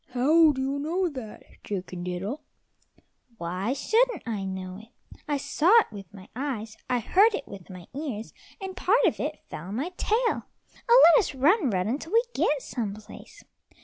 "How do you know that, Chicken diddle?" "Why shouldn't I know it? I saw it with my eyes, I heard it with my ears, and part of it fell on my tail. Oh, let us run, run until we get some place."